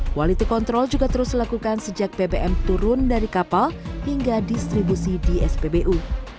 quality control juga terus dilakukan sejak bbm turun dari kapal hingga distribusi di spbu